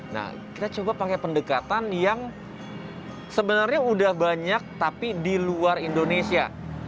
nah kita coba pakai pendekatan yang sebenarnya udah banyak tapi di luar indonesia